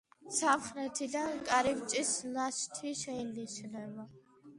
სამხრეთიდან კარიბჭის ნაშთი შეინიშნება.